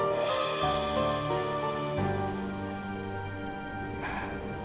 pertanyaan yang terakhir